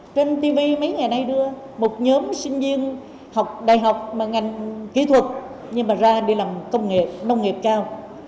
trên tb mấy ngày nay đưa một nhóm sinh viên học đại học mà ngành kỹ thuật nhưng mà ra đi làm công nghệ nông nghiệp cao